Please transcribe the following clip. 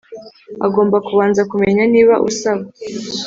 Agomba kubanza kumenya niba usaba